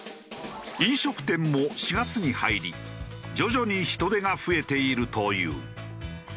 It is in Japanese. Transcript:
飲食店も４月に入り徐々に人出が増えているという。